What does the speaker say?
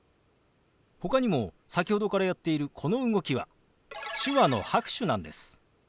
ほかにも先ほどからやっているこの動きは手話の拍手なんです。